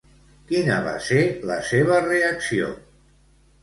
Quina va ser la seva reacció?